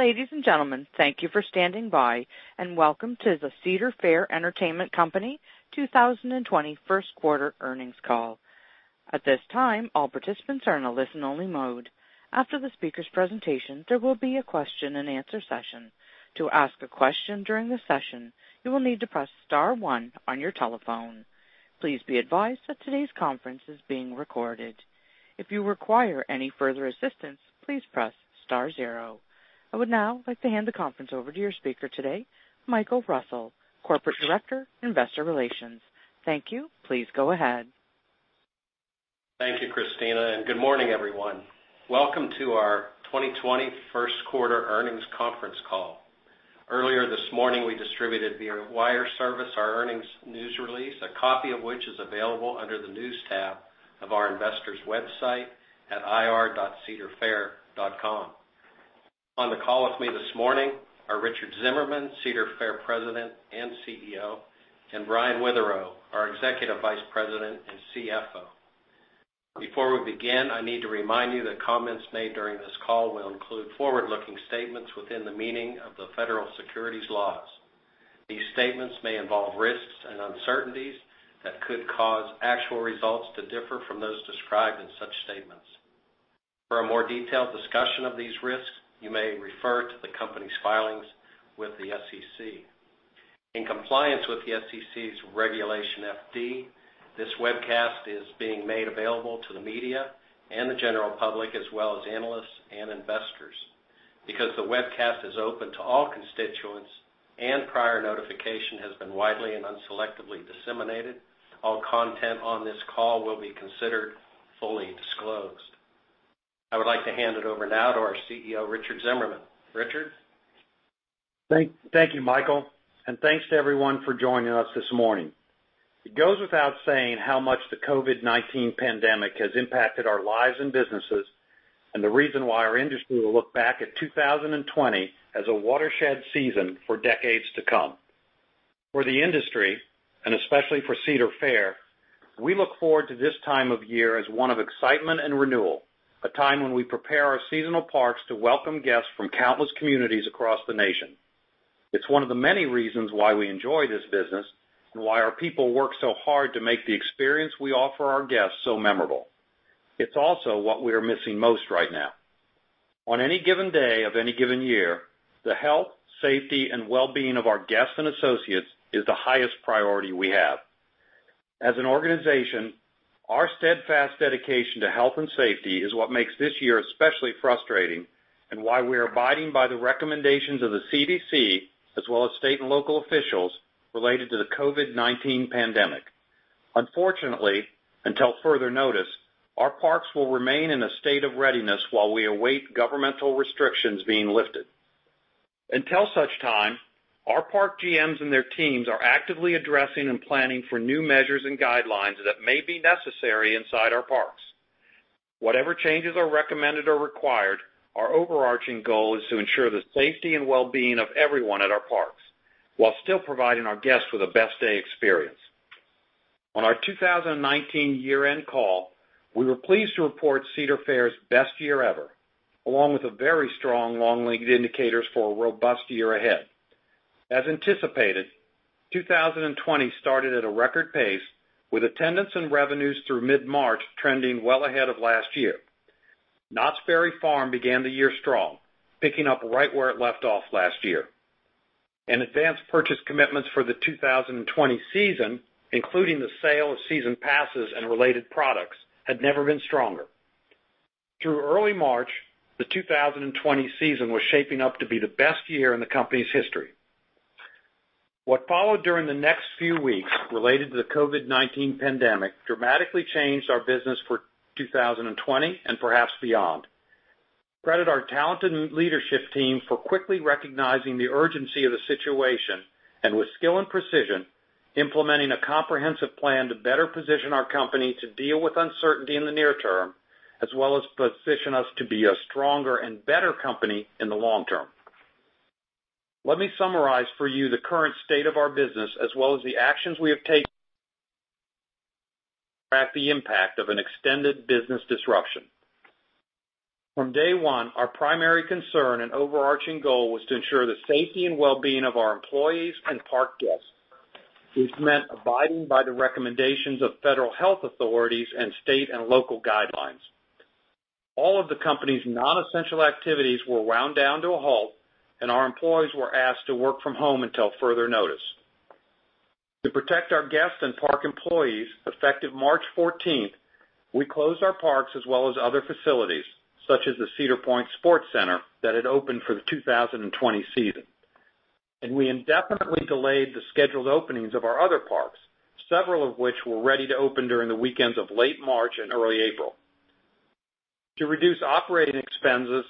Ladies and gentlemen, thank you for standing by, and welcome to the Cedar Fair Entertainment Company 2020 First Quarter Earnings Call. At this time, all participants are in a listen-only mode. After the speaker's presentation, there will be a question-and-answer session. To ask a question during the session, you will need to press star one on your telephone. Please be advised that today's conference is being recorded. If you require any further assistance, please press star zero. I would now like to hand the conference over to your speaker today, Michael Russell, Corporate Director, Investor Relations. Thank you. Please go ahead. Thank you, Christina, and good morning, everyone. Welcome to our 2020 First Quarter Earnings Conference Call. Earlier this morning, we distributed via wire service our earnings news release, a copy of which is available under the News tab of our investors' website at ir.cedarfair.com. On the call with me this morning are Richard Zimmerman, Cedar Fair President and CEO, and Brian Witherow, our Executive Vice President and CFO. Before we begin, I need to remind you that comments made during this call will include forward-looking statements within the meaning of the federal securities laws. These statements may involve risks and uncertainties that could cause actual results to differ from those described in such statements. For a more detailed discussion of these risks, you may refer to the company's filings with the SEC. In compliance with the SEC's Regulation FD, this webcast is being made available to the media and the general public, as well as analysts and investors. Because the webcast is open to all constituents and prior notification has been widely and unselectively disseminated, all content on this call will be considered fully disclosed. I would like to hand it over now to our CEO, Richard Zimmerman. Richard? Thank you, Michael, and thanks to everyone for joining us this morning. It goes without saying how much the COVID-19 pandemic has impacted our lives and businesses, and the reason why our industry will look back at 2020 as a watershed season for decades to come. For the industry, and especially for Cedar Fair, we look forward to this time of year as one of excitement and renewal, a time when we prepare our seasonal parks to welcome guests from countless communities across the nation. It's one of the many reasons why we enjoy this business and why our people work so hard to make the experience we offer our guests so memorable. It's also what we are missing most right now. On any given day of any given year, the health, safety, and well-being of our guests and associates is the highest priority we have. As an organization, our steadfast dedication to health and safety is what makes this year especially frustrating and why we are abiding by the recommendations of the CDC, as well as state and local officials, related to the COVID-19 pandemic. Unfortunately, until further notice, our parks will remain in a state of readiness while we await governmental restrictions being lifted. Until such time, our park GMs and their teams are actively addressing and planning for new measures and guidelines that may be necessary inside our parks. Whatever changes are recommended or required, our overarching goal is to ensure the safety and wellbeing of everyone at our parks while still providing our guests with the Best Day experience. On our 2019 year-end call, we were pleased to report Cedar Fair's best year ever, along with a very strong long-lead indicators for a robust year ahead. As anticipated, 2020 started at a record pace, with attendance and revenues through mid-March trending well ahead of last year. Knott's Berry Farm began the year strong, picking up right where it left off last year, and advance purchase commitments for the 2020 season, including the sale of season passes and related products, had never been stronger. Through early March, the 2020 season was shaping up to be the best year in the company's history. What followed during the next few weeks related to the COVID-19 pandemic dramatically changed our business for 2020 and perhaps beyond. Credit our talented leadership team for quickly recognizing the urgency of the situation and with skill and precision, implementing a comprehensive plan to better position our company to deal with uncertainty in the near term, as well as position us to be a stronger and better company in the long term. Let me summarize for you the current state of our business, as well as the actions we have taken to address the impact of an extended business disruption. From day one, our primary concern and overarching goal was to ensure the safety and wellbeing of our employees and park guests, which meant abiding by the recommendations of federal health authorities and state and local guidelines. All of the company's non-essential activities were wound down to a halt, and our employees were asked to work from home until further notice. To protect our guests and park employees, effective March 14th, we closed our parks as well as other facilities, such as the Cedar Point Sports Center, that had opened for the 2020 season, and we indefinitely delayed the scheduled openings of our other parks, several of which were ready to open during the weekends of late March and early April. To reduce operating expenses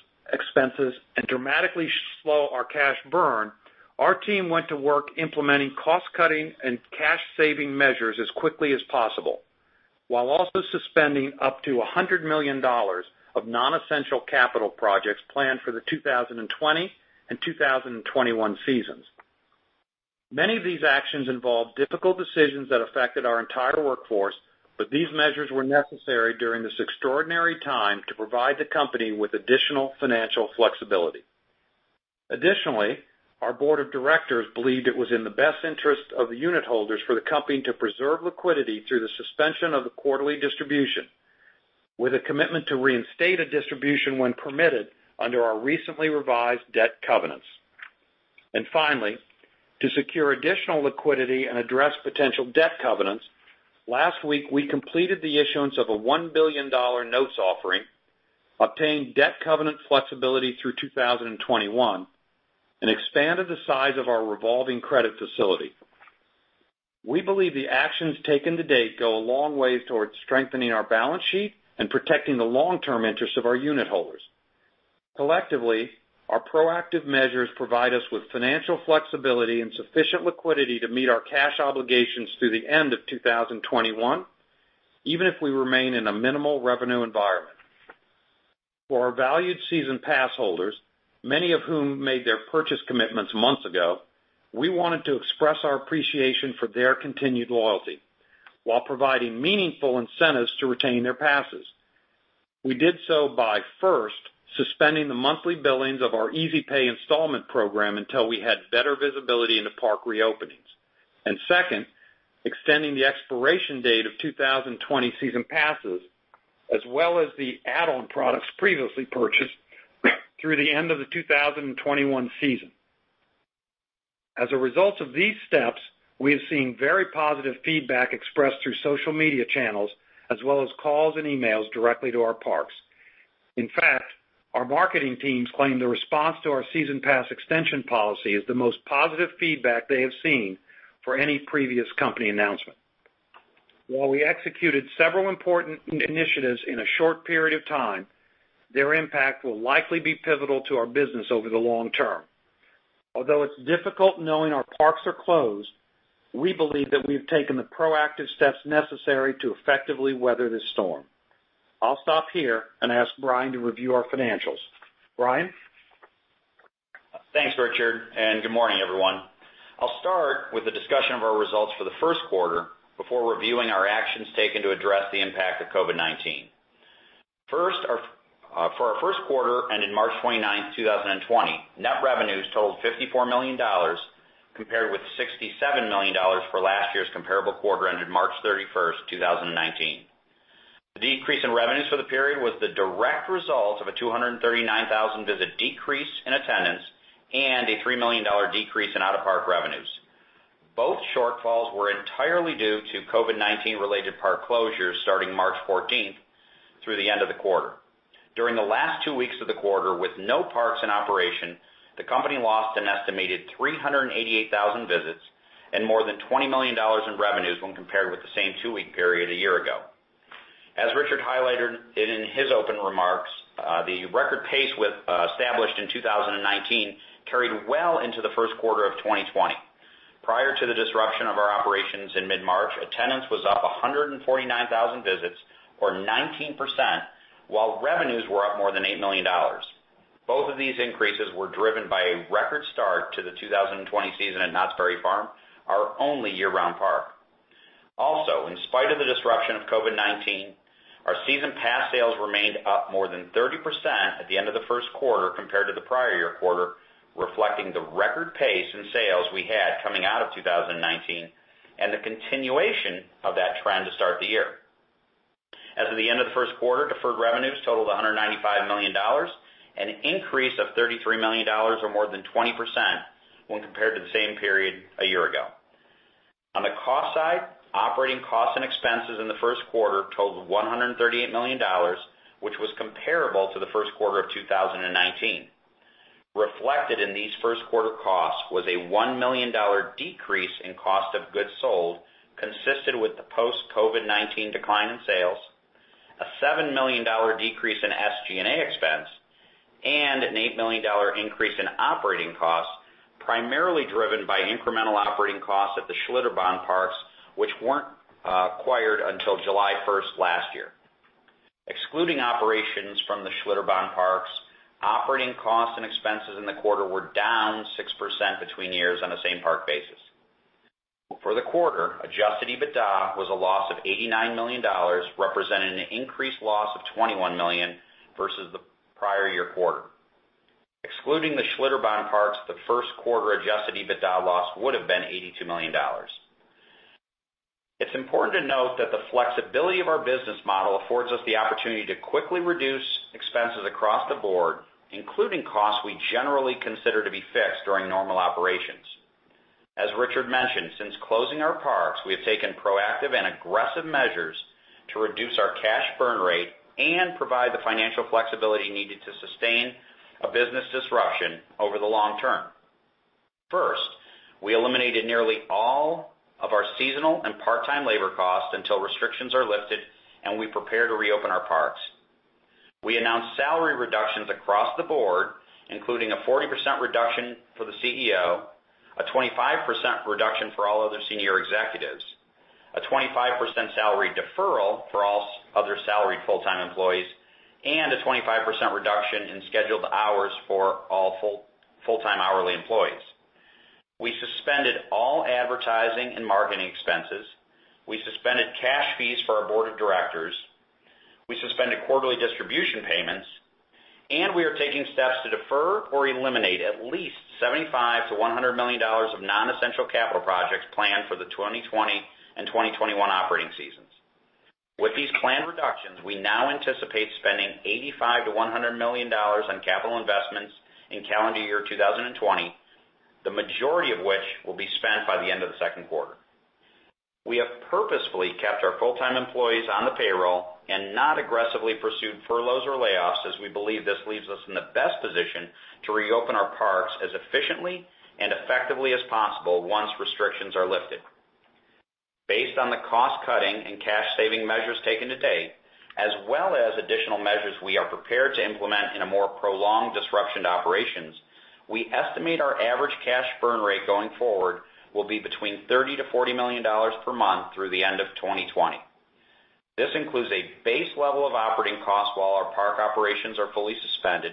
and dramatically slow our cash burn, our team went to work implementing cost-cutting and cash-saving measures as quickly as possible, while also suspending up to $100 million of non-essential capital projects planned for the 2020 and 2021 seasons. Many of these actions involved difficult decisions that affected our entire workforce, but these measures were necessary during this extraordinary time to provide the company with additional financial flexibility. Additionally, our board of directors believed it was in the best interest of the Unitholders for the company to preserve liquidity through the suspension of the quarterly distribution, with a commitment to reinstate a distribution when permitted under our recently revised debt covenants. And finally, to secure additional liquidity and address potential debt covenants, last week, we completed the issuance of a $1 billion notes offering, obtained debt covenant flexibility through 2021, and expanded the size of our revolving credit facility. We believe the actions taken to date go a long way towards strengthening our balance sheet and protecting the long-term interest of our Unitholders. Collectively, our proactive measures provide us with financial flexibility and sufficient liquidity to meet our cash obligations through the end of 2021, even if we remain in a minimal revenue environment. For our valued season pass holders, many of whom made their purchase commitments months ago, we wanted to express our appreciation for their continued loyalty while providing meaningful incentives to retain their passes. We did so by, first, suspending the monthly billings of our Easy Pay installment program until we had better visibility into park reopenings, and second, extending the expiration date of 2020 season passes, as well as the add-on products previously purchased, through the end of the 2021 season. As a result of these steps, we have seen very positive feedback expressed through social media channels, as well as calls and emails directly to our parks. In fact, our marketing teams claim the response to our season pass extension policy is the most positive feedback they have seen for any previous company announcement. While we executed several important initiatives in a short period of time, their impact will likely be pivotal to our business over the long term. Although it's difficult knowing our parks are closed, we believe that we've taken the proactive steps necessary to effectively weather this storm. I'll stop here and ask Brian to review our financials. Brian? Thanks, Richard, and good morning, everyone. I'll start with a discussion of our results for the first quarter before reviewing our actions taken to address the impact of COVID-19. First, for our first quarter, and in March 29, 2020, net revenues totaled $54 million, compared with $67 million for last year's comparable quarter, ended March 31, 2019. The decrease in revenues for the period was the direct result of a 239,000 visit decrease in attendance and a $3 million decrease in out-of-park revenues. Both shortfalls were entirely due to COVID-19-related park closures starting March 14 through the end of the quarter. During the last two weeks of the quarter, with no parks in operation, the company lost an estimated 388,000 visits and more than $20 million in revenues when compared with the same two-week period a year ago. As Richard highlighted in his opening remarks, the record pace we established in 2019 carried well into the first quarter of 2020. Prior to the disruption of our operations in mid-March, attendance was up 149,000 visits, or 19%, while revenues were up more than $8 million. Both of these increases were driven by a record start to the 2020 season at Knott's Berry Farm, our only year-round park. Also, in spite of the disruption of COVID-19, our season pass sales remained up more than 30% at the end of the first quarter compared to the prior year quarter, reflecting the record pace in sales we had coming out of 2019, and the continuation of that trend to start the year. As of the end of the first quarter, deferred revenues totaled $195 million, an increase of $33 million, or more than 20%, when compared to the same period a year ago. On the cost side, operating costs and expenses in the first quarter totaled $138 million, which was comparable to the first quarter of 2019. Reflected in these first quarter costs was a $1 million decrease in cost of goods sold, consistent with the post-COVID-19 decline in sales, a $7 million decrease in SG&A expense, and an $8 million increase in operating costs, primarily driven by incremental operating costs at the Schlitterbahn parks, which weren't acquired until July first last year. Excluding operations from the Schlitterbahn parks, operating costs and expenses in the quarter were down 6% between years on a same park basis. For the quarter, Adjusted EBITDA was a loss of $89 million, representing an increased loss of $21 million versus the prior year quarter. Excluding the Schlitterbahn parks, the first quarter Adjusted EBITDA loss would have been $82 million. It's important to note that the flexibility of our business model affords us the opportunity to quickly reduce expenses across the board, including costs we generally consider to be fixed during normal operations. As Richard mentioned, since closing our parks, we have taken proactive and aggressive measures to reduce our cash burn rate and provide the financial flexibility needed to sustain a business disruption over the long term. First, we eliminated nearly all of our seasonal and part-time labor costs until restrictions are lifted and we prepare to reopen our parks. We announced salary reductions across the board, including a 40% reduction for the CEO, a 25% reduction for all other senior executives, a 25% salary deferral for all other salaried full-time employees, and a 25% reduction in scheduled hours for all full-time hourly employees. We suspended all advertising and marketing expenses, we suspended cash fees for our board of directors, we suspended quarterly distribution payments, and we are taking steps to defer or eliminate at least $75 million-$100 million of non-essential capital projects planned for the 2020 and 2021 operating seasons. With these planned reductions, we now anticipate spending $85 million-$100 million on capital investments in calendar year 2020, the majority of which will be spent by the end of the second quarter. We have purposefully kept our full-time employees on the payroll and not aggressively pursued furloughs or layoffs, as we believe this leaves us in the best position to reopen our parks as efficiently and effectively as possible once restrictions are lifted. Based on the cost-cutting and cash-saving measures taken to date, as well as additional measures we are prepared to implement in a more prolonged disruption to operations, we estimate our average cash burn rate going forward will be between $30 million-$40 million per month through the end of 2020. This includes a base level of operating costs while our park operations are fully suspended,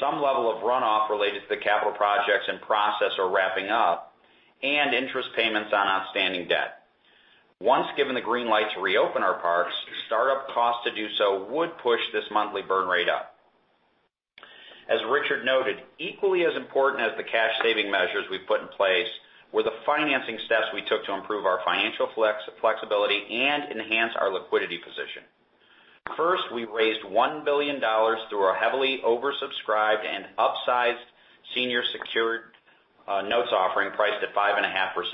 some level of runoff related to the capital projects in process or wrapping up, and interest payments on outstanding debt. Once given the green light to reopen our parks, startup costs to do so would push this monthly burn rate up. As Richard noted, equally as important as the cash-saving measures we've put in place were the financing steps we took to improve our financial flexibility and enhance our liquidity position. First, we raised $1 billion through our heavily oversubscribed and upsized senior secured notes offering, priced at 5.5%.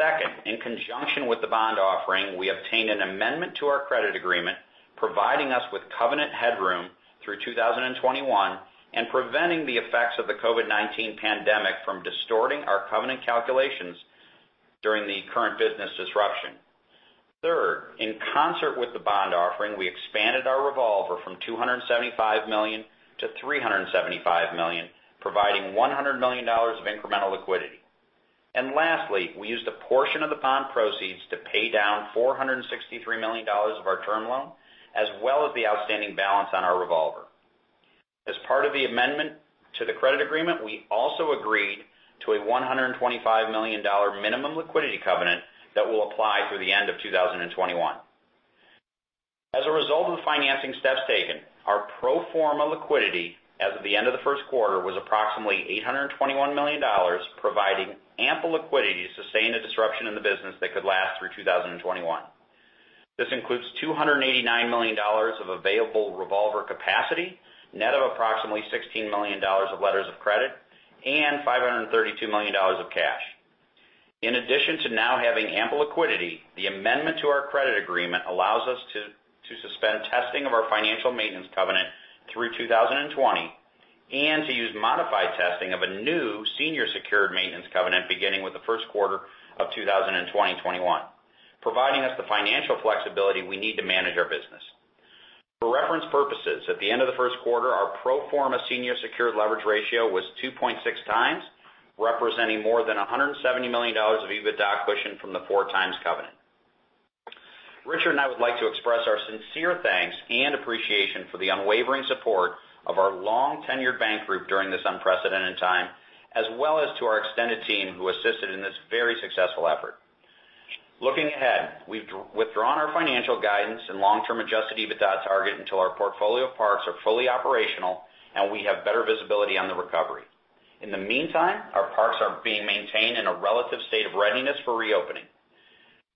Second, in conjunction with the bond offering, we obtained an amendment to our credit agreement, providing us with covenant headroom through 2021, and preventing the effects of the COVID-19 pandemic from distorting our covenant calculations during the current business disruption. Third, in concert with the bond offering, we expanded our revolver from $275 million to $375 million, providing $100 million of incremental liquidity. And lastly, we used a portion of the bond proceeds to pay down $463 million of our term loan, as well as the outstanding balance on our revolver. As part of the amendment to the credit agreement, we also agreed to a $125 million minimum liquidity covenant that will apply through the end of 2021. As a result of the financing steps taken, our pro forma liquidity as of the end of the first quarter was approximately $821 million, providing ample liquidity to sustain a disruption in the business that could last through 2021. This includes $289 million of available revolver capacity, net of approximately $16 million of letters of credit, and $532 million of cash. In addition to now having ample liquidity, the amendment to our credit agreement allows us to suspend testing of our financial maintenance covenant through 2020, and to use modified testing of a new senior secured maintenance covenant beginning with the first quarter of 2021, providing us the financial flexibility we need to manage our business. For reference purposes, at the end of the first quarter, our pro forma senior secured leverage ratio was 2.6x, representing more than $170 million of EBITDA cushion from the 4x covenant. Richard and I would like to express our sincere thanks and appreciation for the unwavering support of our long-tenured bank group during this unprecedented time, as well as to our extended team, who assisted in this very successful effort. Looking ahead, we've withdrawn our financial guidance and long-term Adjusted EBITDA target until our portfolio parks are fully operational and we have better visibility on the recovery. In the meantime, our parks are being maintained in a relative state of readiness for reopening.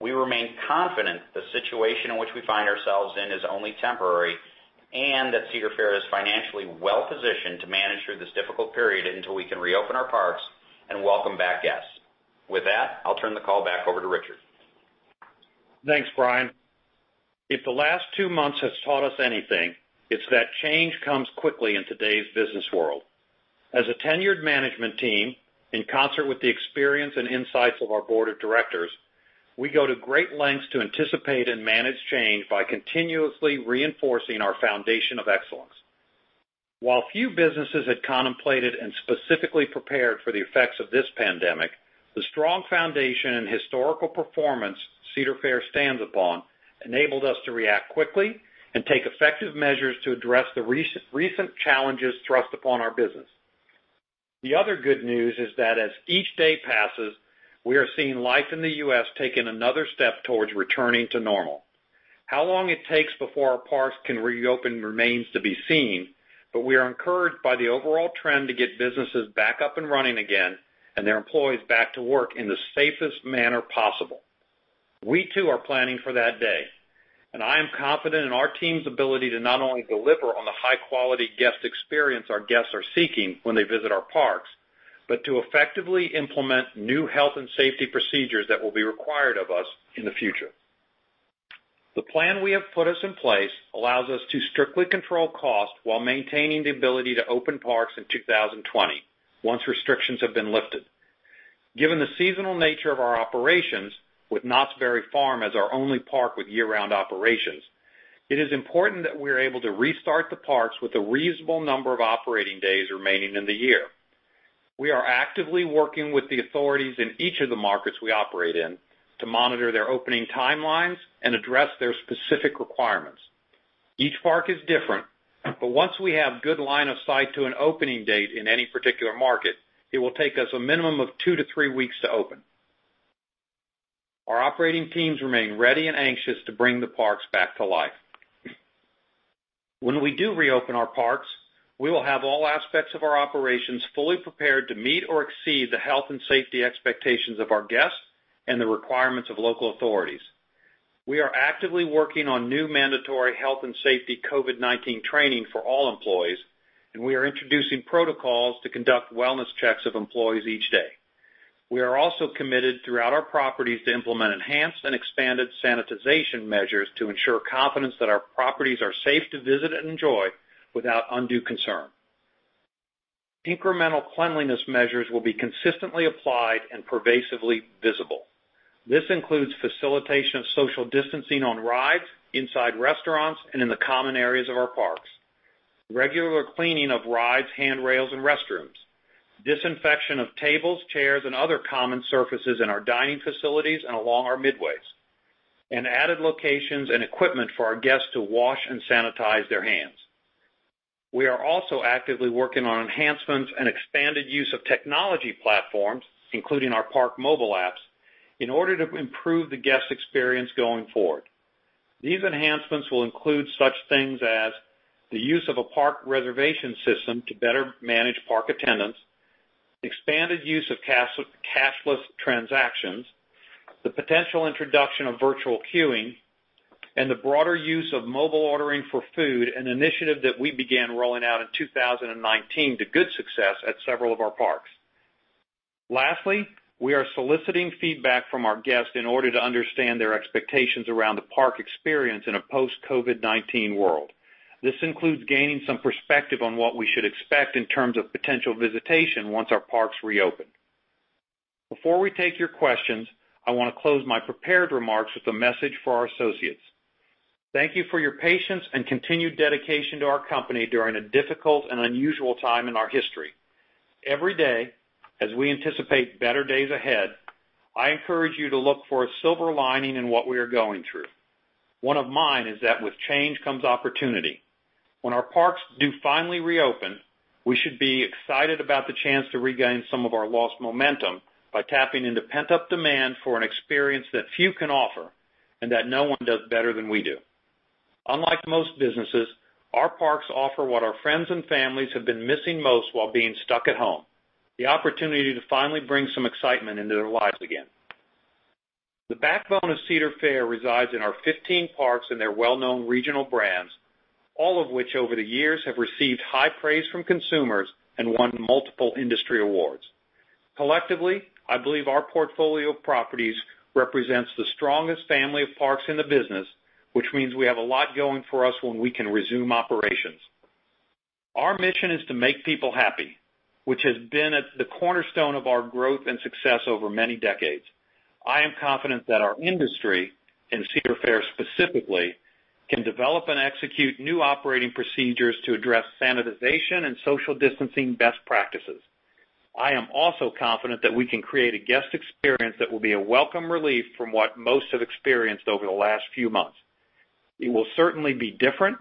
We remain confident the situation in which we find ourselves in is only temporary, and that Cedar Fair is financially well-positioned to manage through this difficult period until we can reopen our parks and welcome back guests. With that, I'll turn the call back over to Richard. Thanks, Brian. If the last two months has taught us anything, it's that change comes quickly in today's business world. As a tenured management team, in concert with the experience and insights of our board of directors, we go to great lengths to anticipate and manage change by continuously reinforcing our foundation of excellence. While few businesses had contemplated and specifically prepared for the effects of this pandemic, the strong foundation and historical performance Cedar Fair stands upon enabled us to react quickly and take effective measures to address the recent challenges thrust upon our business. The other good news is that as each day passes, we are seeing life in the U.S. taking another step towards returning to normal. How long it takes before our parks can reopen remains to be seen, but we are encouraged by the overall trend to get businesses back up and running again and their employees back to work in the safest manner possible. We, too, are planning for that day, and I am confident in our team's ability to not only deliver on the high-quality guest experience our guests are seeking when they visit our parks, but to effectively implement new health and safety procedures that will be required of us in the future. The plan we have put in place allows us to strictly control costs while maintaining the ability to open parks in 2020, once restrictions have been lifted. Given the seasonal nature of our operations, with Knott's Berry Farm as our only park with year-round operations, it is important that we are able to restart the parks with a reasonable number of operating days remaining in the year. We are actively working with the authorities in each of the markets we operate in to monitor their opening timelines and address their specific requirements. Each park is different, but once we have good line of sight to an opening date in any particular market, it will take us a minimum of two to three weeks to open. Our operating teams remain ready and anxious to bring the parks back to life. When we do reopen our parks, we will have all aspects of our operations fully prepared to meet or exceed the health and safety expectations of our guests and the requirements of local authorities. We are actively working on new mandatory health and safety COVID-19 training for all employees, and we are introducing protocols to conduct wellness checks of employees each day. We are also committed throughout our properties to implement enhanced and expanded sanitization measures to ensure confidence that our properties are safe to visit and enjoy without undue concern. Incremental cleanliness measures will be consistently applied and pervasively visible. This includes facilitation of social distancing on rides, inside restaurants, and in the common areas of our parks, regular cleaning of rides, handrails, and restrooms, disinfection of tables, chairs, and other common surfaces in our dining facilities and along our midways, and added locations and equipment for our guests to wash and sanitize their hands. We are also actively working on enhancements and expanded use of technology platforms, including our park mobile apps, in order to improve the guest experience going forward. These enhancements will include such things as, the use of a park reservation system to better manage park attendance, expanded use of cashless transactions, the potential introduction of virtual queuing, and the broader use of mobile ordering for food, an initiative that we began rolling out in 2019 to good success at several of our parks. Lastly, we are soliciting feedback from our guests in order to understand their expectations around the park experience in a post-COVID-19 world. This includes gaining some perspective on what we should expect in terms of potential visitation once our parks reopen. Before we take your questions, I want to close my prepared remarks with a message for our associates. Thank you for your patience and continued dedication to our company during a difficult and unusual time in our history. Every day, as we anticipate better days ahead, I encourage you to look for a silver lining in what we are going through. One of mine is that with change comes opportunity. When our parks do finally reopen, we should be excited about the chance to regain some of our lost momentum by tapping into pent-up demand for an experience that few can offer and that no one does better than we do. Unlike most businesses, our parks offer what our friends and families have been missing most while being stuck at home, the opportunity to finally bring some excitement into their lives again. The backbone of Cedar Fair resides in our 15 parks and their well-known regional brands, all of which, over the years, have received high praise from consumers and won multiple industry awards. Collectively, I believe our portfolio of properties represents the strongest family of parks in the business, which means we have a lot going for us when we can resume operations. Our mission is to make people happy, which has been at the cornerstone of our growth and success over many decades. I am confident that our industry, and Cedar Fair specifically, can develop and execute new operating procedures to address sanitization and social distancing best practices. I am also confident that we can create a guest experience that will be a welcome relief from what most have experienced over the last few months. It will certainly be different,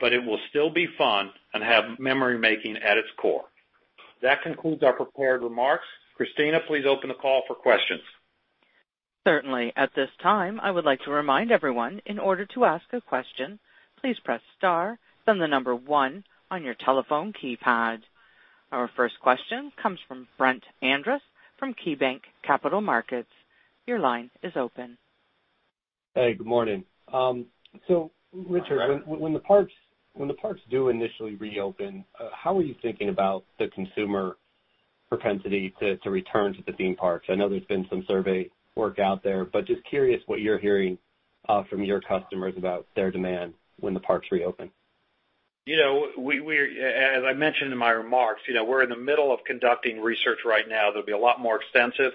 but it will still be fun and have memory-making at its core. That concludes our prepared remarks. Christina, please open the call for questions. Certainly. At this time, I would like to remind everyone, in order to ask a question, please press star, then the number one on your telephone keypad. Our first question comes from Brett Andress from KeyBanc Capital Markets. Your line is open. Hey, good morning. So Richard, when the parks do initially reopen, how are you thinking about the consumer propensity to return to the theme parks? I know there's been some survey work out there, but just curious what you're hearing from your customers about their demand when the parks reopen. You know, as I mentioned in my remarks, you know, we're in the middle of conducting research right now that'll be a lot more extensive,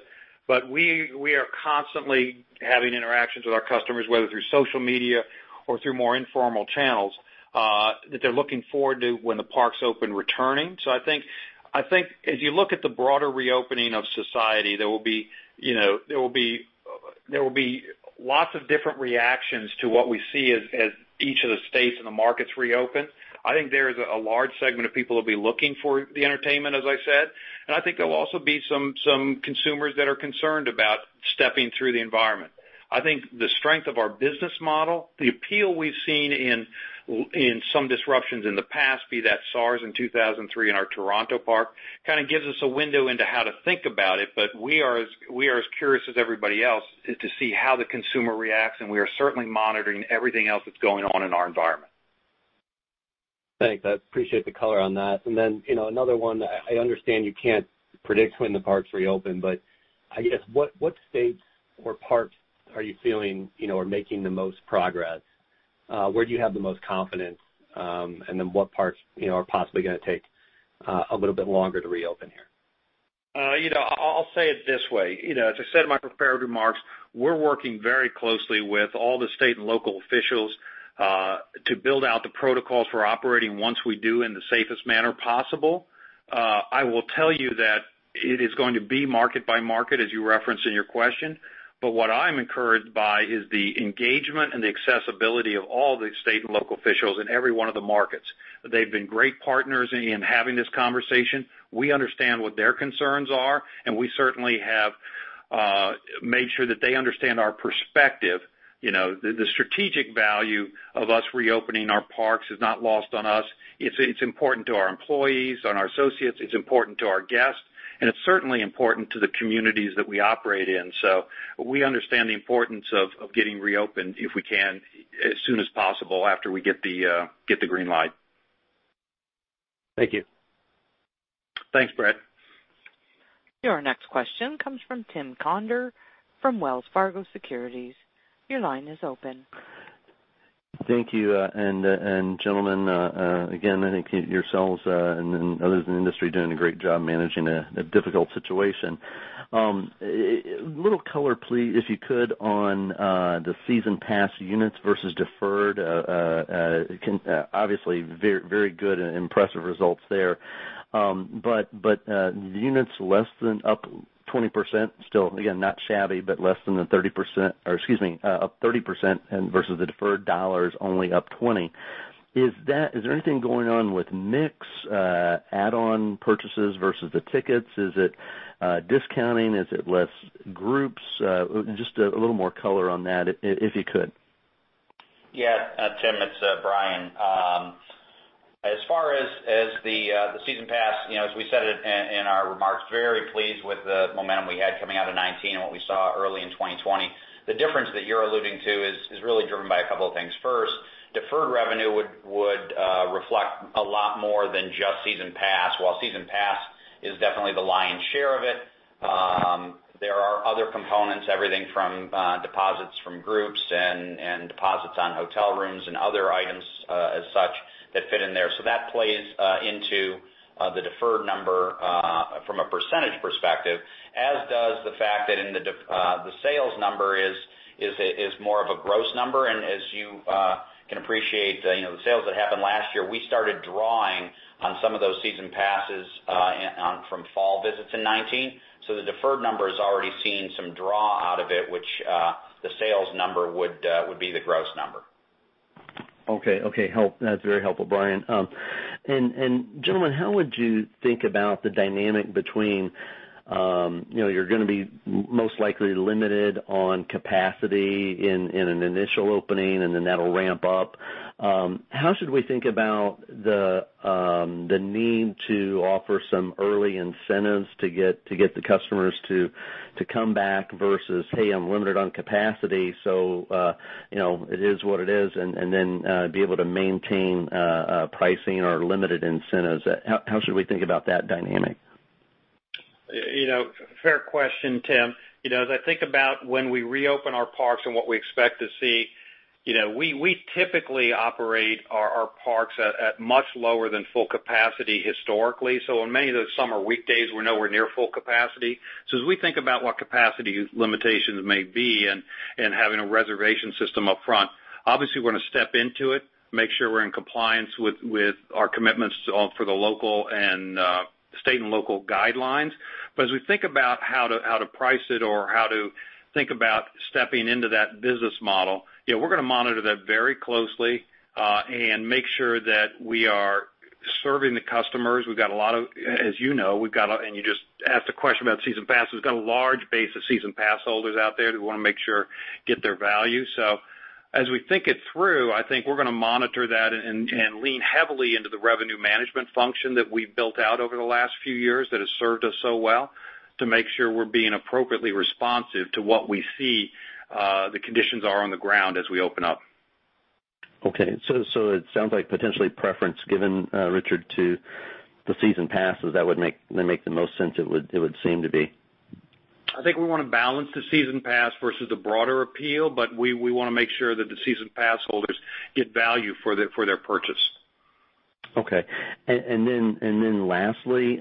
but we are constantly having interactions with our customers, whether through social media or through more informal channels, that they're looking forward to when the parks open, returning. So I think, I think as you look at the broader reopening of society, there will be lots of different reactions to what we see as each of the states and the markets reopen. I think there is a large segment of people who will be looking for the entertainment, as I said, and I think there will also be some consumers that are concerned about stepping through the environment. I think the strength of our business model, the appeal we've seen in some disruptions in the past, be that SARS in 2003 in our Toronto park, kind of gives us a window into how to think about it. But we are as curious as everybody else to see how the consumer reacts, and we are certainly monitoring everything else that's going on in our environment. Thanks. I appreciate the color on that. And then, you know, another one, I understand you can't predict when the parks reopen, but I guess, what states or parks are you feeling, you know, are making the most progress? Where do you have the most confidence, and then what parks, you know, are possibly gonna take, a little bit longer to reopen here? You know, I'll say it this way. You know, as I said in my prepared remarks, we're working very closely with all the state and local officials to build out the protocols for operating once we do, in the safest manner possible. I will tell you that it is going to be market by market, as you referenced in your question. But what I'm encouraged by is the engagement and the accessibility of all the state and local officials in every one of the markets. They've been great partners in having this conversation. We understand what their concerns are, and we certainly have made sure that they understand our perspective. You know, the strategic value of us reopening our parks is not lost on us. It's important to our employees and our associates. It's important to our guests, and it's certainly important to the communities that we operate in. So we understand the importance of getting reopened, if we can, as soon as possible after we get the green light. Thank you. Thanks, Brett. Your next question comes from Tim Conder from Wells Fargo Securities. Your line is open. Thank you, and gentlemen, again, I think yourselves and others in the industry are doing a great job managing a difficult situation. A little color, please, if you could, on the season pass units versus deferred. Obviously, very, very good and impressive results there. But the units less than up 20%, still, again, not shabby, but less than the 30%, or excuse me, up 30% versus the deferred dollars, only up 20%. Is that, is there anything going on with mix, add-on purchases versus the tickets? Is it discounting? Is it less groups? Just a little more color on that, if you could. Yeah, Tim, it's Brian. As far as the season pass, you know, as we said it in our remarks, very pleased with the momentum we had coming out of 2019 and what we saw early in 2020. The difference that you're alluding to is really driven by a couple of things. First, deferred revenue would reflect a lot more than just season pass. While season pass is definitely the lion's share of it, there are other components, everything from deposits from groups and deposits on hotel rooms and other items as such that fit in there. So that plays into the deferred number from a percentage perspective, as does the fact that in the sales number is more of a gross number. As you can appreciate, you know, the sales that happened last year, we started drawing on some of those season passes on from fall visits in 2019. So the deferred number has already seen some draw out of it, which the sales number would be the gross number. Okay, okay. That's very helpful, Brian. And gentlemen, how would you think about the dynamic between, you know, you're gonna be most likely limited on capacity in an initial opening, and then that'll ramp up. How should we think about the need to offer some early incentives to get the customers to come back versus, hey, I'm limited on capacity, so, you know, it is what it is, and then be able to maintain pricing or limited incentives? How should we think about that dynamic? You know, fair question, Tim. You know, as I think about when we reopen our parks and what we expect to see, you know, we typically operate our parks at much lower than full capacity historically. So on many of those summer weekdays, we're nowhere near full capacity. So as we think about what capacity limitations may be and having a reservation system up front, obviously, we're gonna step into it, make sure we're in compliance with our commitments for the local and state and local guidelines. But as we think about how to price it or how to think about stepping into that business model, yeah, we're gonna monitor that very closely and make sure that we are serving the customers. As you know, we've got a large base of season pass holders out there that we wanna make sure get their value. So as we think it through, I think we're gonna monitor that and lean heavily into the revenue management function that we've built out over the last few years that has served us so well, to make sure we're being appropriately responsive to what we see, the conditions are on the ground as we open up. Okay, so it sounds like potentially preference given, Richard, to the season passes. That would make the most sense, it would seem to be. I think we wanna balance the season pass versus the broader appeal, but we wanna make sure that the season pass holders get value for their purchase. Okay. And then lastly,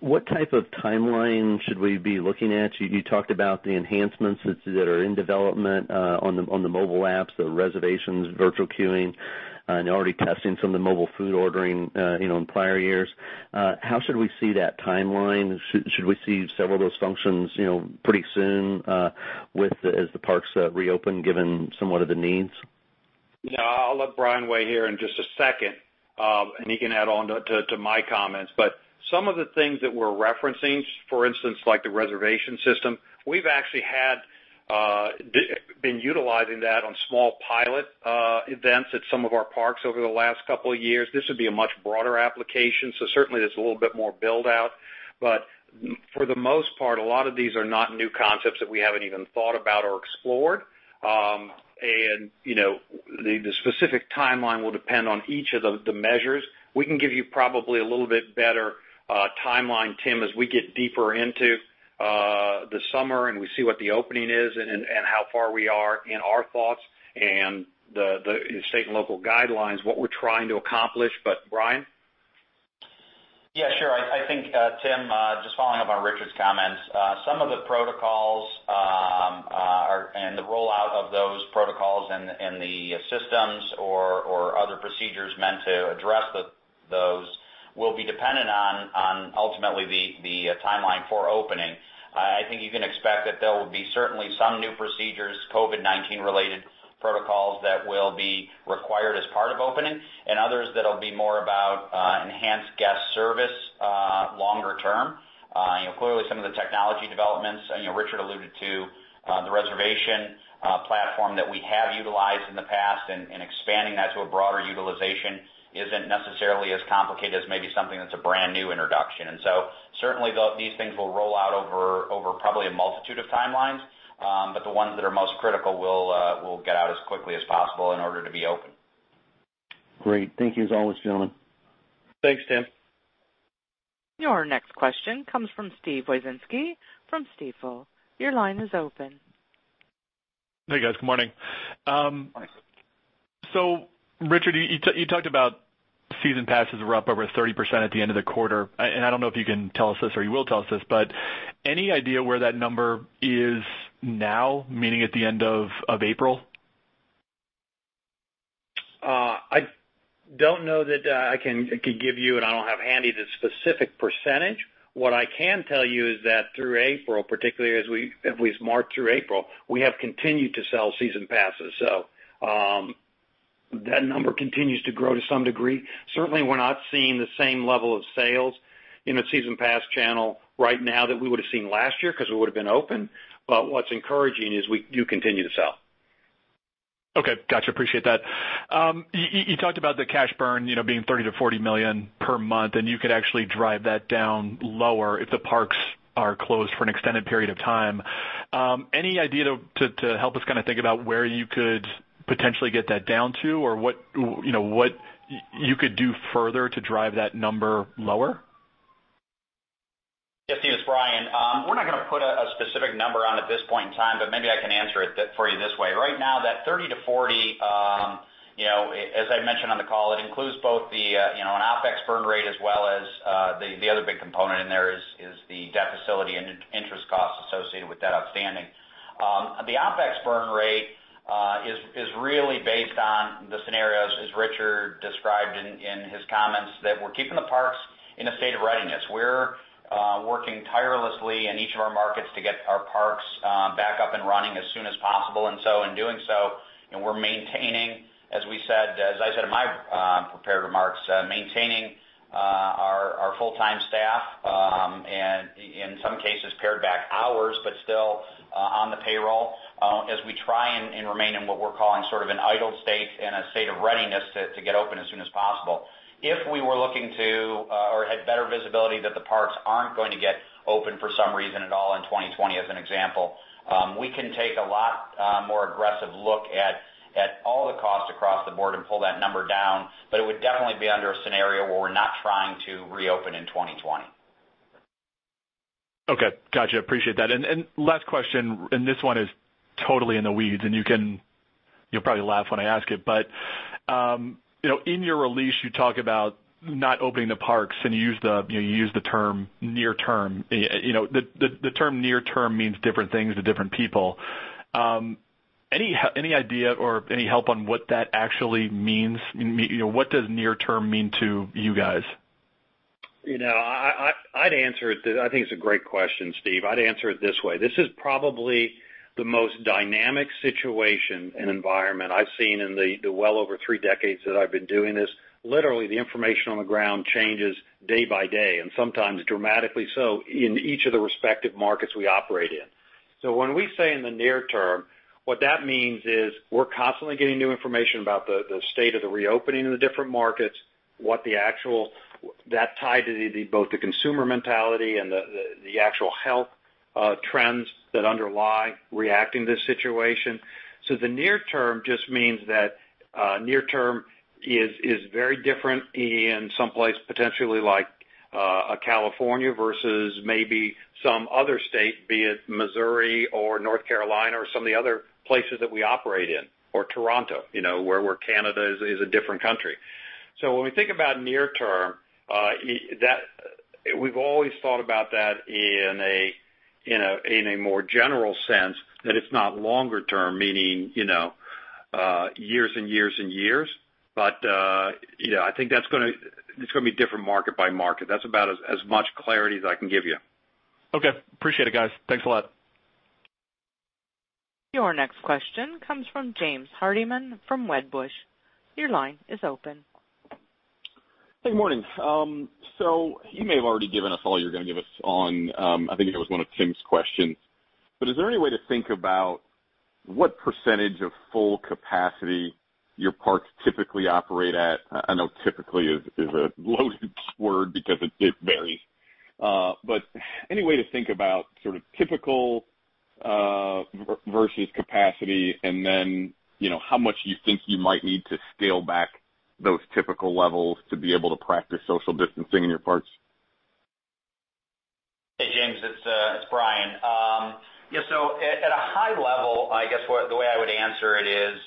what type of timeline should we be looking at? You talked about the enhancements that are in development on the mobile apps, the reservations, virtual queuing, and you're already testing some of the mobile food ordering, you know, in prior years. How should we see that timeline? Should we see several of those functions, you know, pretty soon, with the, as the parks reopen, given somewhat of the needs? Yeah, I'll let Brian weigh in here in just a second, and he can add on to my comments. But some of the things that we're referencing, for instance, like the reservation system, we've actually had been utilizing that on small pilot events at some of our parks over the last couple of years. This would be a much broader application, so certainly there's a little bit more build-out. But for the most part, a lot of these are not new concepts that we haven't even thought about or explored. And, you know, the specific timeline will depend on each of the measures. We can give you probably a little bit better timeline, Tim, as we get deeper into... the summer and we see what the opening is and how far we are in our thoughts and the state and local guidelines, what we're trying to accomplish. But Brian? Yeah, sure. I think, Tim, just following up on Richard's comments. Some of the protocols and the rollout of those protocols and the systems or other procedures meant to address those will be dependent on ultimately the timeline for opening. I think you can expect that there will be certainly some new procedures, COVID-19 related protocols that will be required as part of opening, and others that'll be more about enhanced guest service longer term. You know, clearly some of the technology developments, and you know, Richard alluded to the reservation platform that we have utilized in the past and expanding that to a broader utilization isn't necessarily as complicated as maybe something that's a brand new introduction. Certainly these things will roll out over probably a multitude of timelines, but the ones that are most critical will get out as quickly as possible in order to be open. Great. Thank you as always, gentlemen. Thanks, Tim. Your next question comes from Steve Wieczynski, from Stifel. Your line is open. Hey, guys, good morning. Morning. Richard, you talked about season passes were up over 30% at the end of the quarter. And I don't know if you can tell us this or you will tell us this, but any idea where that number is now, meaning at the end of April? I don't know that I could give you, and I don't have handy the specific percentage. What I can tell you is that through April, particularly at least March through April, we have continued to sell season passes. So, that number continues to grow to some degree. Certainly, we're not seeing the same level of sales in the season pass channel right now that we would've seen last year, 'cause we would've been open. But what's encouraging is we do continue to sell. Okay, gotcha. Appreciate that. You talked about the cash burn, you know, being $30 million-$40 million per month, and you could actually drive that down lower if the parks are closed for an extended period of time. Any idea to help us kinda think about where you could potentially get that down to? Or what, you know, what you could do further to drive that number lower? Yeah, Steve, it's Brian. We're not gonna put a specific number on it at this point in time, but maybe I can answer it for you this way. Right now, that thirty to forty, you know, as I mentioned on the call, it includes both the you know an OpEx burn rate, as well as the other big component in there is the debt facility and interest costs associated with that outstanding. The OpEx burn rate is really based on the scenarios, as Richard described in his comments, that we're keeping the parks in a state of readiness. We're working tirelessly in each of our markets to get our parks back up and running as soon as possible. In doing so, and we're maintaining, as we said, as I said in my prepared remarks, maintaining our full-time staff, and in some cases, pared back hours, but still on the payroll, as we try and remain in what we're calling sort of an idle state and a state of readiness to get open as soon as possible. If we were looking to or had better visibility that the parks aren't going to get open for some reason at all in 2020, as an example, we can take a lot more aggressive look at all the costs across the board and pull that number down, but it would definitely be under a scenario where we're not trying to reopen in 2020. Okay. Gotcha, appreciate that. And last question, and this one is totally in the weeds, and you can, you'll probably laugh when I ask it, but, you know, in your release, you talk about not opening the parks, and you used the, you know, you used the term near term. You know, the term near term means different things to different people. Any idea or any help on what that actually means? You know, what does near term mean to you guys? You know, I'd answer it. I think it's a great question, Steve. I'd answer it this way, This is probably the most dynamic situation and environment I've seen in the well over three decades that I've been doing this. Literally, the information on the ground changes day by day and sometimes dramatically so, in each of the respective markets we operate in. So when we say in the near term, what that means is we're constantly getting new information about the state of the reopening of the different markets, what the actual that tied to both the consumer mentality and the actual health trends that underlie reacting to this situation. So the near term just means that near term is very different in some place potentially like a California versus maybe some other state, be it Missouri or North Carolina or some of the other places that we operate in, or Toronto, you know, where Canada is a different country. So when we think about near term, we've always thought about that in a more general sense, that it's not longer term, meaning, you know, years and years and years. But, you know, I think that's gonna be different market by market. That's about as much clarity as I can give you. Okay. Appreciate it, guys. Thanks a lot. Your next question comes from James Hardiman, from Wedbush. Your line is open. Good morning, so you may have already given us all you're gonna give us on, I think it was one of Tim's questions, but is there any way to think about what percentage of full capacity your parks typically operate at? I know typically is a loaded word because it varies, but any way to think about sort of typical versus capacity, and then, you know, how much you think you might need to scale back those typical levels to be able to practice social distancing in your parks? Hey, James, it's Brian. Yeah, so at a high level, I guess the way I would answer it is,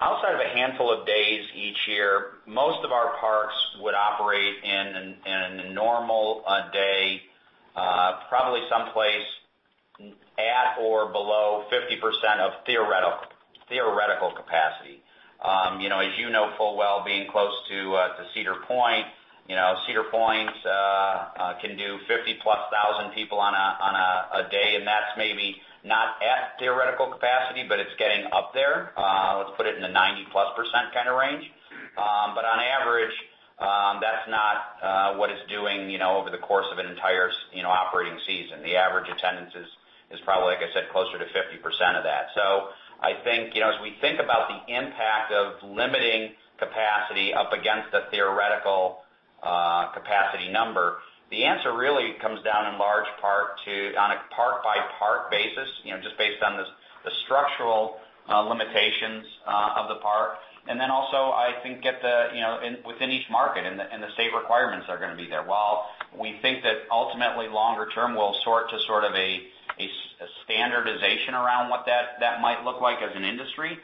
outside of a handful of days each year, most of our parks would operate in a normal day, probably someplace at or below 50% of theoretical capacity. You know, as you know full well, being close to Cedar Point, you know, Cedar Point can do 50,000+ people on a day, and that's maybe not at theoretical capacity, but it's getting up there. Let's put it in the 90%+ kind of range. But on average, that's not what it's doing, you know, over the course of an entire, you know, operating season. The average attendance is probably, like I said, closer to 50% of that. So I think, you know, as we think about the impact of limiting capacity up against the theoretical capacity number, the answer really comes down in large part to, on a park-by-park basis, you know, just based on the structural limitations of the park. And then also, I think at the, you know, within each market and the state requirements are gonna be there. While we think that ultimately, longer term, we'll sort of a standardization around what that might look like as an industry,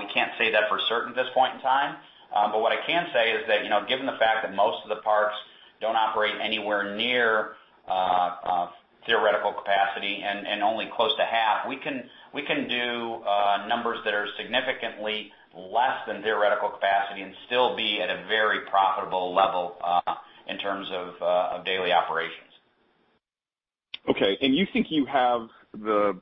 we can't say that for certain at this point in time. But what I can say is that, you know, given the fact that most of the parks don't operate anywhere near theoretical capacity and only close to half, we can do numbers that are significantly less than theoretical capacity and still be at a very profitable level in terms of daily operations. Okay, and you think you have the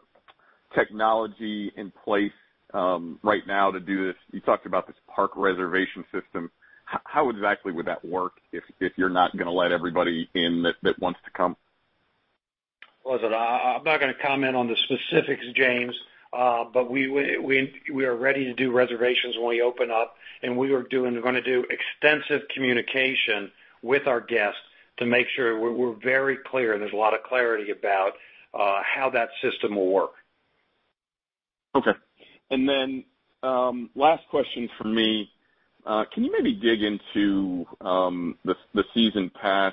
technology in place, right now to do this? You talked about this park reservation system. How exactly would that work if you're not gonna let everybody in that wants to come? Listen, I'm not gonna comment on the specifics, James, but we are ready to do reservations when we open up, and we're gonna do extensive communication with our guests to make sure we're very clear, and there's a lot of clarity about how that system will work. Okay. And then, last question from me. Can you maybe dig into the season pass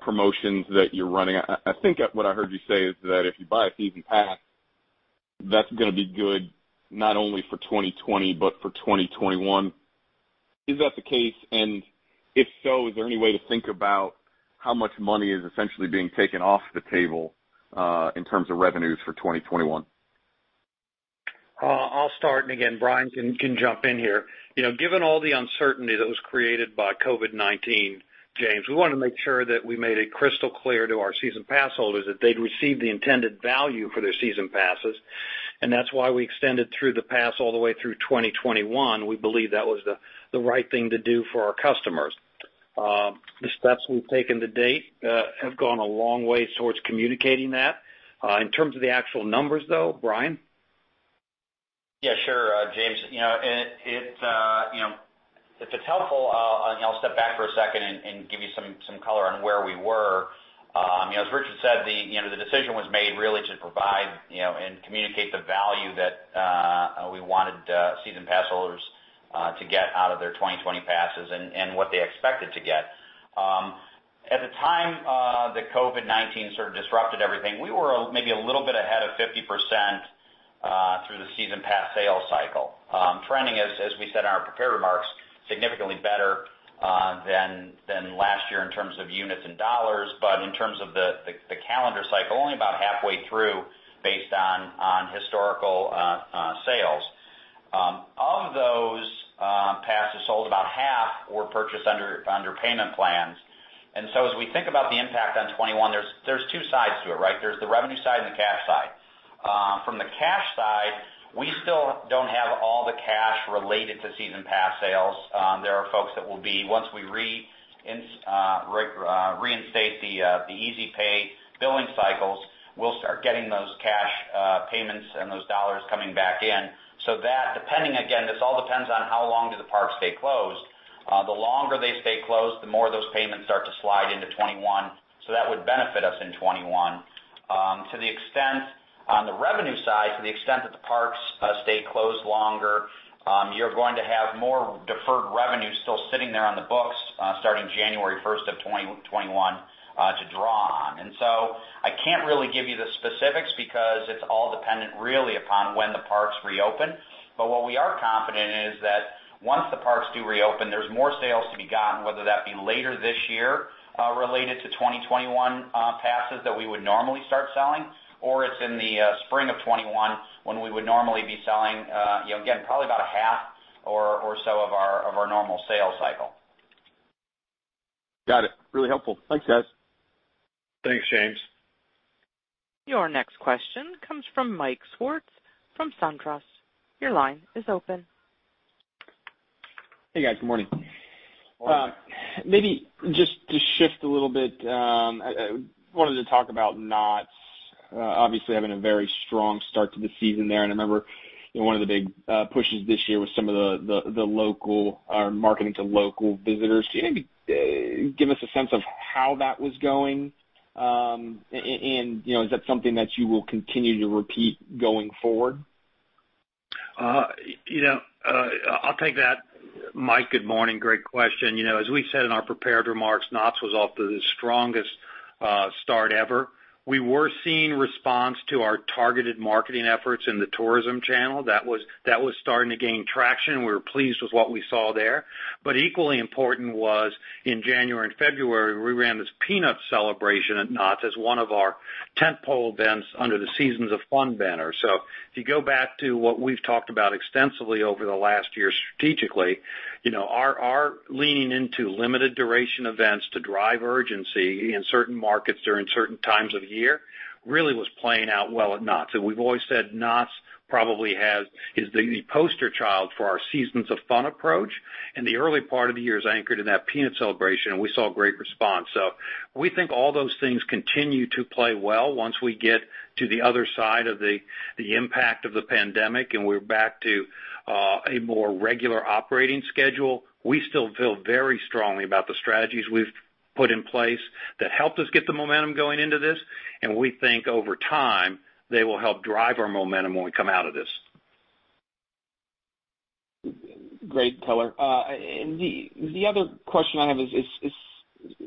promotions that you're running? I think what I heard you say is that if you buy a season pass, that's gonna be good, not only for 2020, but for 2021. Is that the case? And if so, is there any way to think about how much money is essentially being taken off the table in terms of revenues for 2021? I'll start, and again, Brian can jump in here. You know, given all the uncertainty that was created by COVID-19, James, we wanted to make sure that we made it crystal clear to our season pass holders that they'd receive the intended value for their season passes, and that's why we extended the pass all the way through 2021. We believe that was the right thing to do for our customers. The steps we've taken to date have gone a long way towards communicating that. In terms of the actual numbers, though, Brian? Yeah, sure, James. You know, and it, you know, if it's helpful, I'll step back for a second and give you some color on where we were. You know, as Richard said, the decision was made really to provide and communicate the value that we wanted season pass holders to get out of their 2020 passes and what they expected to get. At the time that COVID-19 sort of disrupted everything, we were maybe a little bit ahead of 50% through the season pass sales cycle. Trending as we said in our prepared remarks, significantly better than last year in terms of units and dollars, but in terms of the calendar cycle, only about halfway through, based on historical sales. Of those passes sold, about half were purchased under payment plans. So as we think about the impact on 2021, there are two sides to it, right? There is the revenue side and the cash side. From the cash side, we still do not have all the cash related to season pass sales. There are folks that will be, once we reinstate the Easy Pay billing cycles, we will start getting those cash payments and those dollars coming back in. So that depending, again, this all depends on how long do the parks stay closed? The longer they stay closed, the more those payments start to slide into 2021, so that would benefit us in 2021. To the extent, on the revenue side, to the extent that the parks stay closed longer, you're going to have more deferred revenue still sitting there on the books, starting January 1st, 2021, to draw on. And so I can't really give you the specifics, because it's all dependent really upon when the parks reopen. But what we are confident in is that once the parks do reopen, there's more sales to be gotten, whether that be later this year, related to 2021, passes that we would normally start selling, or it's in the spring of 2021, when we would normally be selling, you know, again, probably about a half or so of our normal sales cycle. Got it. Really helpful. Thanks, guys. Thanks, James. Your next question comes from Mike Swartz, from Truist. Your line is open. Hey, guys, good morning. Morning. Maybe just to shift a little bit, I wanted to talk about Knott's. Obviously, having a very strong start to the season there, and I remember one of the big pushes this year was some of the local marketing to local visitors. Can you maybe give us a sense of how that was going? And, you know, is that something that you will continue to repeat going forward? You know, I'll take that. Mike, good morning, great question. You know, as we said in our prepared remarks, Knott's was off to the strongest start ever. We were seeing response to our targeted marketing efforts in the tourism channel. That was starting to gain traction, and we were pleased with what we saw there. But equally important was, in January and February, we ran this Peanuts Celebration at Knott's as one of our tentpole events under the Seasons of Fun banner. So if you go back to what we've talked about extensively over the last year strategically, you know, our leaning into limited duration events to drive urgency in certain markets during certain times of year really was playing out well at Knott's. And we've always said Knott's probably is the poster child for our Seasons of Fun approach, and the early part of the year is anchored in that Peanuts Celebration, and we saw great response. So we think all those things continue to play well once we get to the other side of the impact of the pandemic, and we're back to a more regular operating schedule. We still feel very strongly about the strategies we've put in place that helped us get the momentum going into this, and we think over time, they will help drive our momentum when we come out of this. Great color. And the other question I have is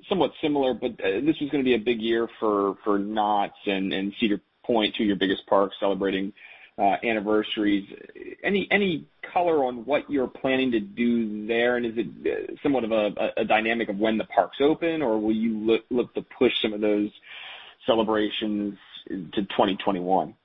somewhat similar, but this is gonna be a big year for Knott's and Cedar Point, two of your biggest parks celebrating anniversaries. Any color on what you're planning to do there? And is it somewhat of a dynamic of when the parks open, or will you look to push some of those celebrations into 2021?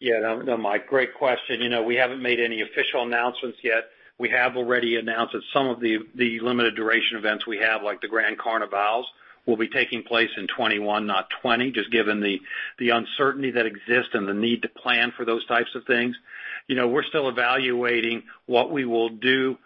Yeah, no, no, Mike, great question. You know, we haven't made any official announcements yet. We have already announced that some of the limited duration events we have, like the Grand Carnival, will be taking place in 2021, not 2020, just given the uncertainty that exists and the need to plan for those types of things. You know, we're still evaluating what we will do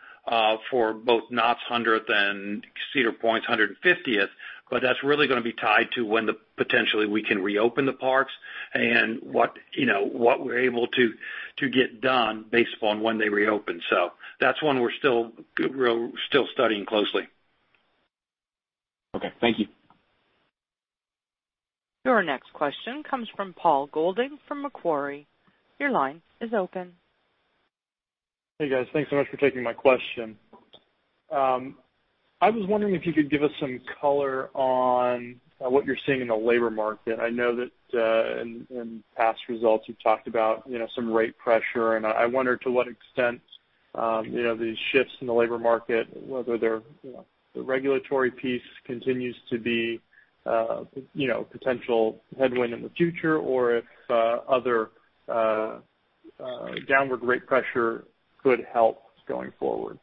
for both Knott's 100th and Cedar Point's 150th, but that's really gonna be tied to when potentially we can reopen the parks and what, you know, what we're able to get done based upon when they reopen. So that's one we're still studying closely. Okay, thank you. Your next question comes from Paul Golding from Macquarie. Your line is open. Hey, guys. Thanks so much for taking my question. I was wondering if you could give us some color on what you're seeing in the labor market. I know that in past results, you've talked about, you know, some rate pressure, and I wonder to what extent, you know, these shifts in the labor market, whether they're, you know, the regulatory piece continues to be a potential headwind in the future, or if other downward rate pressure could help going forward?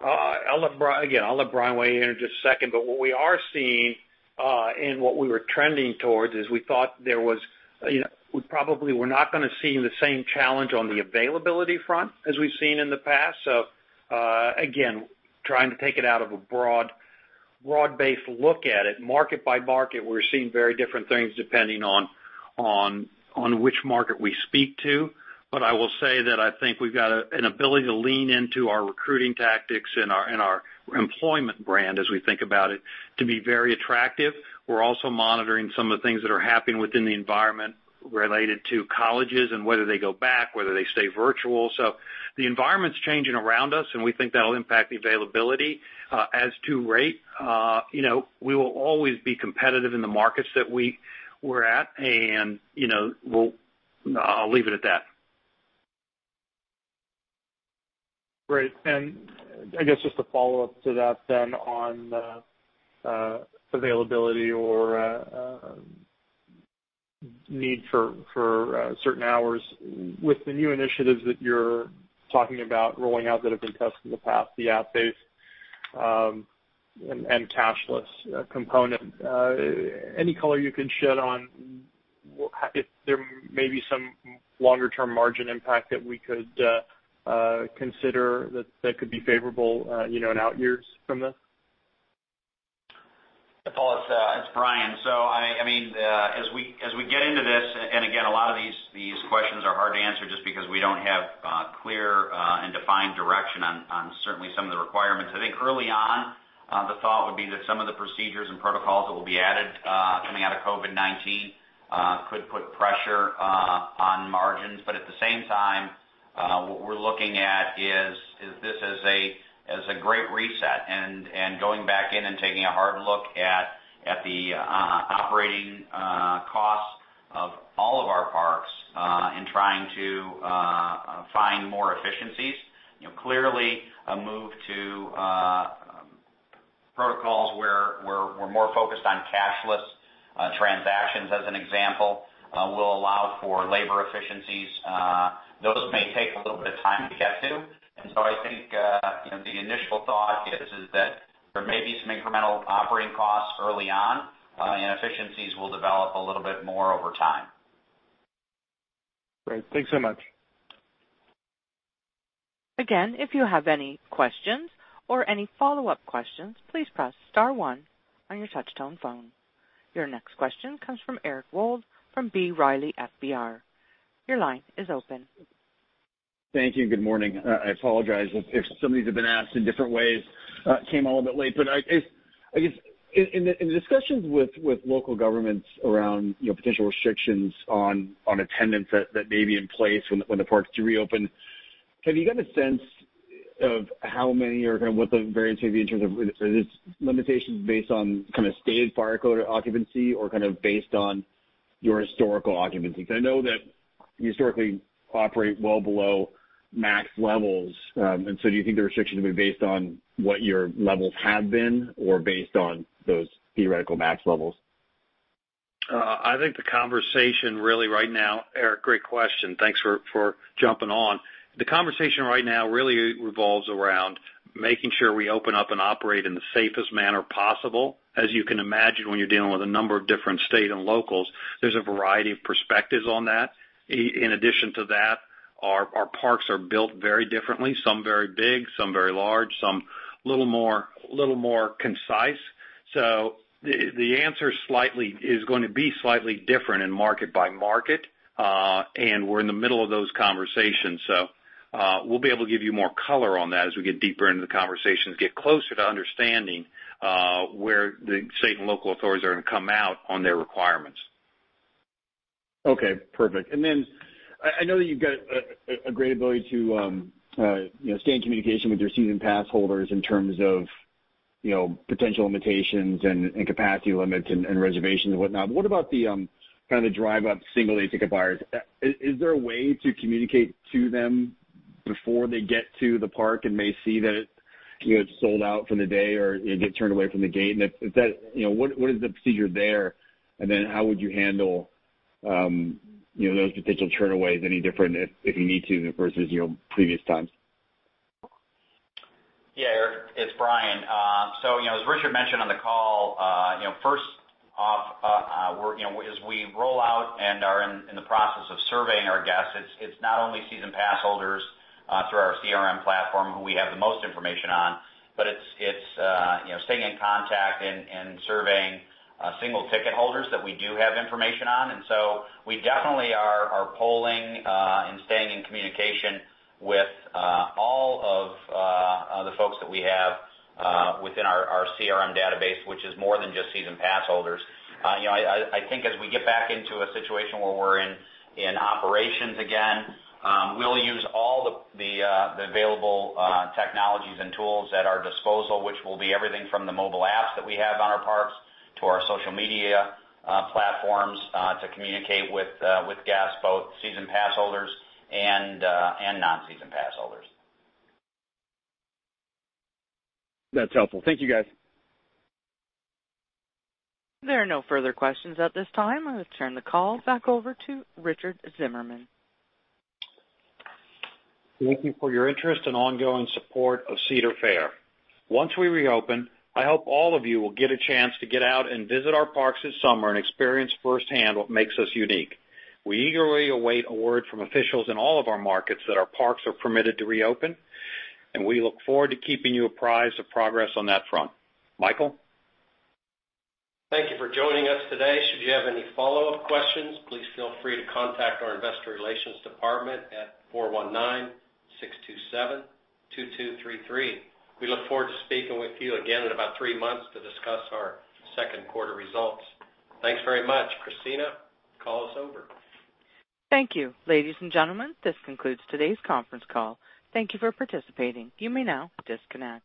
I'll let Brian weigh in in just a second, but what we are seeing, and what we were trending towards, is we thought there was, you know, we probably were not gonna see the same challenge on the availability front as we've seen in the past. So, again, trying to take it out of a broad, broad-based look at it, market by market, we're seeing very different things depending on which market we speak to. But I will say that I think we've got an ability to lean into our recruiting tactics and our employment brand, as we think about it, to be very attractive. We're also monitoring some of the things that are happening within the environment related to colleges and whether they go back, whether they stay virtual. So the environment's changing around us, and we think that'll impact the availability. As to rate, you know, we will always be competitive in the markets that we're at, and, you know, we'll, I'll leave it at that. Great. And I guess just a follow-up to that then on availability or need for certain hours. With the new initiatives that you're talking about rolling out that have been tested in the past, the app-based and cashless component, any color you can shed on if there may be some longer-term margin impact that we could consider that could be favorable, you know, in out years from this? Paul, it's Brian. So I mean, as we get into this, and again, a lot of these questions are hard to answer just because we don't have clear and defined direction on certainly some of the requirements. I think early on, the thought would be that some of the procedures and protocols that will be added coming out of COVID-19 could put pressure on margins. But at the same time, what we're looking at is this as a great reset and going back in and taking a hard look at the operating costs of all of our parks and trying to find more efficiencies. You know, clearly, a move to protocols where we're more focused on cashless transactions, as an example, will allow for labor efficiencies. Those may take a little bit of time to get to. And so I think, you know, the initial thought is that there may be some incremental operating costs early on, and efficiencies will develop a little bit more over time. Great. Thanks so much. Again, if you have any questions or any follow-up questions, please press star one on your touchtone phone. Your next question comes from Eric Wold from B. Riley FBR. Your line is open. Thank you. Good morning. I apologize if some of these have been asked in different ways. I came a little bit late, but I guess in the discussions with local governments around, you know, potential restrictions on attendance that may be in place when the parks do reopen. Have you got a sense of how many are gonna, what the variance may be in terms of? Are these limitations based on kind of state fire code or occupancy or kind of based on your historical occupancy? Because I know that you historically operate well below max levels, and so do you think the restriction will be based on what your levels have been or based on those theoretical max levels? I think the conversation really right now, Eric, great question. Thanks for jumping on. The conversation right now really revolves around making sure we open up and operate in the safest manner possible. As you can imagine, when you're dealing with a number of different state and locals, there's a variety of perspectives on that. In addition to that, our parks are built very differently, some very big, some very large, some a little more concise. So the answer is going to be slightly different in market by market, and we're in the middle of those conversations. We'll be able to give you more color on that as we get deeper into the conversations, get closer to understanding where the state and local authorities are gonna come out on their requirements. Okay, perfect. And then I know that you've got a great ability to, you know, stay in communication with your season pass holders in terms of, you know, potential limitations and capacity limits and reservations and whatnot. But what about the kind of the drive-up single-day ticket buyers? Is there a way to communicate to them before they get to the park and may see that it's, you know, sold out for the day or, you know, get turned away from the gate? And if that, you know, what is the procedure there, and then how would you handle, you know, those potential turnaways any different if you need to, versus, you know, previous times? Yeah, Eric, it's Brian. So, you know, as Richard mentioned on the call, you know, first off, we're, you know, as we roll out and are in the process of surveying our guests, it's not only season pass holders through our CRM platform who we have the most information on, but it's, you know, staying in contact and surveying single ticket holders that we do have information on. And so we definitely are polling and staying in communication with all of the folks that we have within our CRM database, which is more than just season pass holders. You know, I think as we get back into a situation where we're in operations again, we'll use all the available technologies and tools at our disposal, which will be everything from the mobile apps that we have on our parks to our social media platforms to communicate with guests, both season pass holders and non-season pass holders. That's helpful. Thank you, guys. There are no further questions at this time. I'll turn the call back over to Richard Zimmerman. Thank you for your interest and ongoing support of Cedar Fair. Once we reopen, I hope all of you will get a chance to get out and visit our parks this summer and experience firsthand what makes us unique. We eagerly await a word from officials in all of our markets that our parks are permitted to reopen, and we look forward to keeping you apprised of progress on that front. Michael? Thank you for joining us today. Should you have any follow-up questions, please feel free to contact our investor relations department at 419-627-2233. We look forward to speaking with you again in about three months to discuss our second quarter results. Thanks very much. Christina, call us over. Thank you. Ladies and gentlemen, this concludes today's conference call. Thank you for participating. You may now disconnect.